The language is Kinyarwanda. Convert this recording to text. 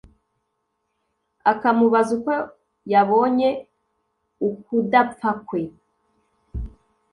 akamubaza uko yabonye ukudapfa kwe